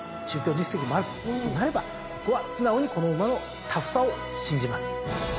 中京実績もあるとなればここは素直にこの馬のタフさを信じます。